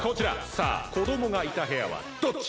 さあこどもがいた部屋はどっち？